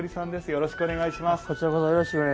よろしくお願いします。